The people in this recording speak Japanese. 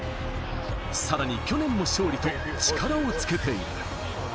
さらに去年も勝利と力をつけている。